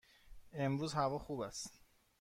امروز هوا خوب است.